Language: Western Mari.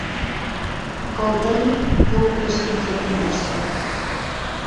«Кылдыри» юк рӹшкен сотеммешкӹ